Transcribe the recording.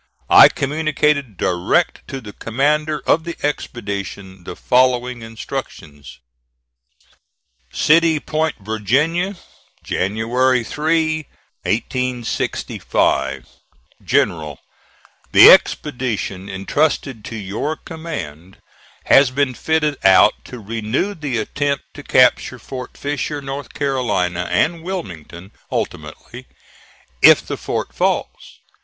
I communicated direct to the commander of the expedition the following instructions: "CITY POINT, VIRGINIA, January 3, 1865. "GENERAL: The expedition intrusted to your command has been fitted out to renew the attempt to capture Fort Fisher, N. C., and Wilmington ultimately, if the fort falls.